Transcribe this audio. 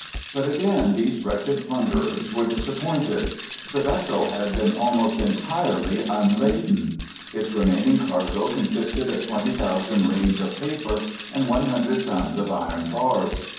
But again these wretched plunderers were disappointed. The vessel had been almost entirely unladen. Its remaining cargo consisted of twenty thousand reams of paper and one hundred tons of iron bars.